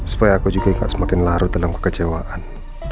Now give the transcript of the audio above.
supaya aku juga semakin larut dalam kekecewaan